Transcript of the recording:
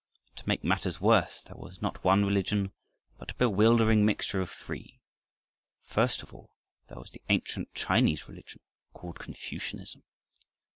And to make matters worse there was not one religion, but a bewildering mixture of three. First of all there was the ancient Chinese religion, called Confucianism.